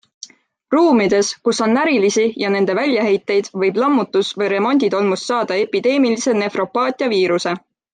Ruumides, kus on närilisi ja nende väljaheiteid, võib lammutus- või remonditolmust saada epideemilise nefropaatia viiruse.